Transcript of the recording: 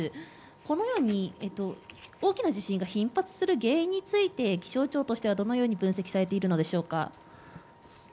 このように大きな地震が頻発する原因について気象庁としてはどのように分析されているのでしょうか。